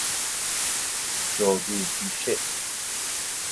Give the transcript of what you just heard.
جادو پیشه